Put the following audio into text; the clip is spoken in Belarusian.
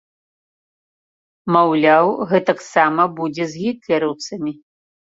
Маўляў, гэтаксама будзе з гітлераўцамі.